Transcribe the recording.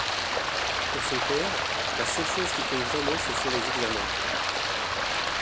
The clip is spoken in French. Pour son père, la seule chose qui compte vraiment ce sont les examens.